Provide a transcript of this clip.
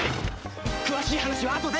詳しい話はあとで。